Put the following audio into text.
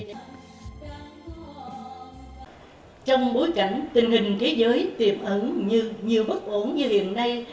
trong bối cảnh tình hình thế giới tiềm ẩn như nhiều bất ổn như hiện nay